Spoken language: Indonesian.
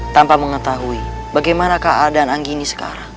tanpa mengetahui bagaimana keadaan anggi ini sekarang